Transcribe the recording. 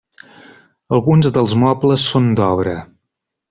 Alguns dels mobles són d'obra.